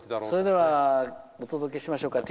それではお届けしましょう。